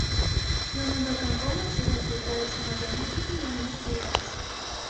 Ֆլամանդական կողմը չեղյալ հայտարարեց համաձայնագիրը միայն մեկ տարի անց։